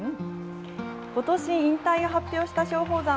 ことし引退を発表した松鳳山。